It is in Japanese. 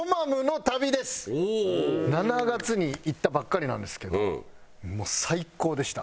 ７月に行ったばっかりなんですけどもう最高でした。